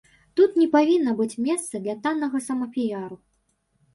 Тут не павінна быць месца для таннага самапіяру.